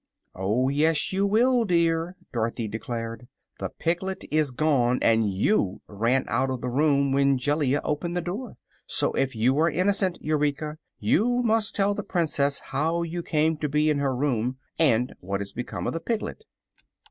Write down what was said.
"Oh, yes you will, dear," Dorothy declared. "The piglet is gone, and you ran out of the room when Jellia opened the door. So, if you are innocent, Eureka, you must tell the Princess how you came to be in her room, and what has become of the piglet."